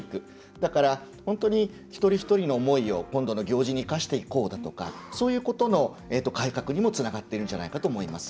だから、本当に一人一人の思いを今度の行事に生かしていこうだとかそういうことの改革にもつながっているんじゃないかと思います。